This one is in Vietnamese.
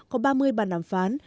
có ba mươi bàn đàm phán